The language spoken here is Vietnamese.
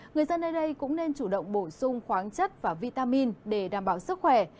người dân nơi đây cũng nên chủ động bổ sung khoáng chất và vitamin để đảm bảo sức khỏe